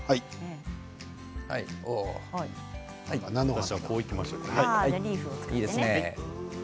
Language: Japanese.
私はこちらにいきましょういいですね。